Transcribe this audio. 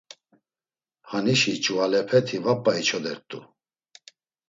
Hanişi ç̌uvalepeti va p̌a içodert̆u.